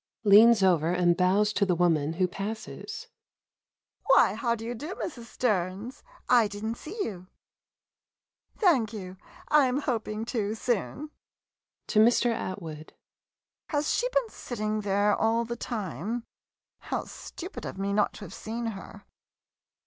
[Leans over and bows to woman who passes. ,] Why, how do you do, Mrs. Stearns? I did n't see you. Thank you — I am hoping to, soon. [To Mr. A.] Has she been sit ting there all the time? How stupid of me not to have seen her!